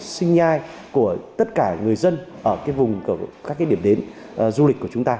sinh nhai của tất cả người dân ở các điểm đến du lịch của chúng ta